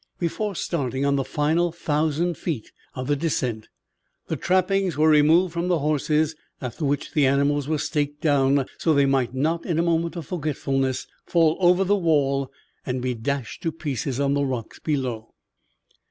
Before starting on the final thousand feet of the descent the trappings were removed from the horses, after which the animals were staked down so that they might not in a moment of forgetfulness fall over the wall and be dashed to pieces on the rocks below.